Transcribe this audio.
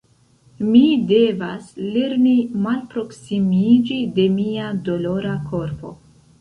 Mi devas lerni malproksimiĝi de mia dolora korpo.